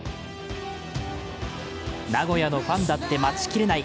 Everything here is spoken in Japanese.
名古屋のファンだって待ちきれない！